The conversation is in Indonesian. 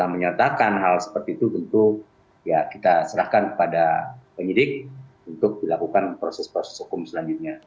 menyatakan hal seperti itu tentu ya kita serahkan kepada penyidik untuk dilakukan proses proses hukum selanjutnya